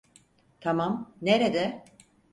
Tamam, nerede?